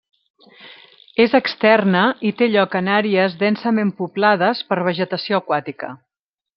És externa i té lloc en àrees densament poblades per vegetació aquàtica.